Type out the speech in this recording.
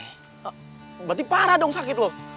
berarti parah dong sakit loh